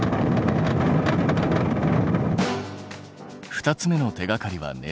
２つ目の手がかりは熱。